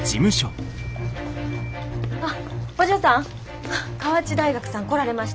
あっお嬢さん河内大学さん来られました。